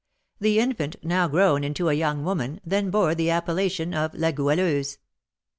The infant, now grown into a young woman, then bore the appellation of La Goualeuse.